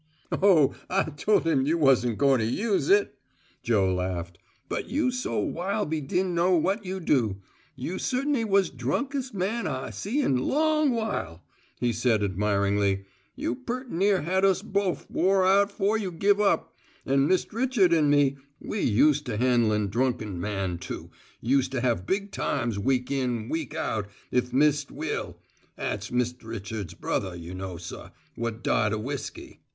"Oh, I tole him you wasn' goin' use it!" Joe laughed. "But you so wile be din' know what you do. You cert'n'y was drunkes' man I see in long while," he said admiringly. "You pert near had us bofe wore out 'fore you give up, an' Mist' Richard an' me, we use' to han'lin' drunkum man, too use' to have big times week in, week out 'ith Mist' Will at's Mist' Richard's brother, you know, suh, what died o' whiskey."